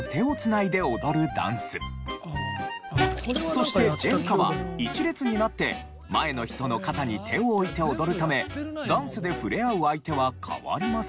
そして『ジェンカ』は一列になって前の人の肩に手を置いて踊るためダンスでふれあう相手は変わりませんが。